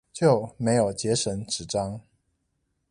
就沒有節省紙張